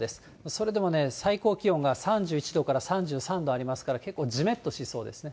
それでもね、最高気温が３１度から３３度ありますから、結構、じめっとしそうですね。